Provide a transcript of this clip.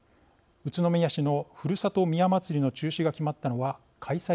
宇都宮市の、ふるさと宮まつりの中止が決まったのは開催